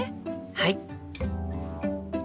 はい！